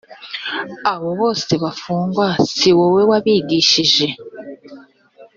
aba bose bafungwa si wowe wabigishije